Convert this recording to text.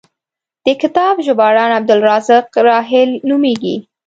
د کتاب ژباړن عبدالرزاق راحل نومېږي.